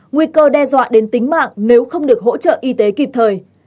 nguy cơ đe dọa đến tính mạng nếu không được hỗ trợ y tế kịp thời